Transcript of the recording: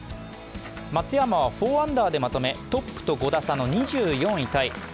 松山は４アンダーでまとめトップと５打差の２４位タイ。